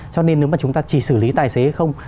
cho nên nếu mà chúng ta chỉ xử lý tài xế không